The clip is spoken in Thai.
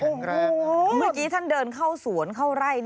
เมื่อกี้ท่านเดินเข้าสวนเข้าไร่